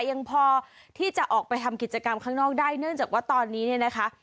ยังพอที่จะออกไปทำกิจกรรมข้างนอกได้เนื่องจากว่าตอนนี้เนี่ยนะคะ